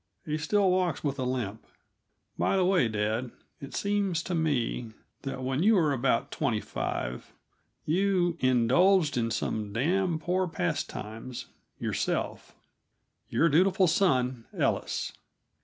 He still walks with a limp. By the way, dad, it seems to me that when you were about twenty five you "indulged in some damned poor pastimes," yourself. Your dutiful son, ELLIS.